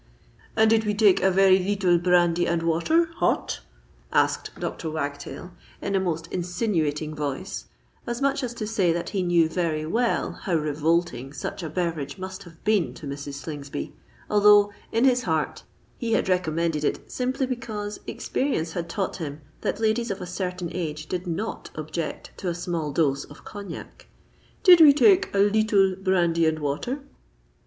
"And did we take a very leetle brandy and water hot?" asked Dr. Wagtail, in a most insinuating voice, as much as to say that he knew very well how revolting such a beverage must have been to Mrs. Slingsby; although, in his heart, he had recommended it simply because experience had taught him that ladies of a certain age did not object to a small dose of cognac:—"did we take a leetle brandy and water?"